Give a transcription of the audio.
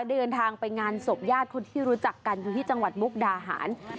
เดินทางไปงานศพญาติคนที่รู้จักกันอยู่ที่จังหวัดมุกดาหาร